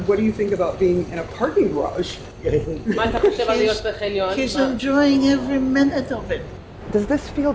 apa pendapat anda tentang menjadi pasien